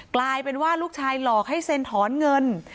กลายเป็นว่าลูกชายหลอกให้เซ็นถอนเงิน